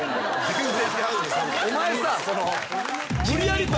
お前さ。